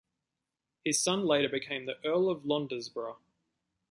His son later became the Earl of Londesborough.